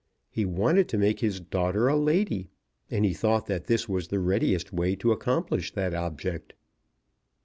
He wanted to make his daughter a lady, and he thought that this was the readiest way to accomplish that object.